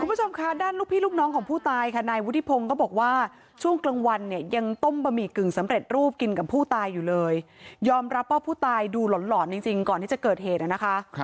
คุณผู้ชมค่ะด้านลูกพี่ลูกน้องของผู้ตายค่ะนายวุฒิพงศ์ก็บอกว่าช่วงกลางวันเนี่ยยังต้มบะหมี่กึ่งสำเร็จรูปกินกับผู้ตายอยู่เลยยอมรับว่าผู้ตายดูหลอนหลอนจริงก่อนที่จะเกิดเหตุนะคะ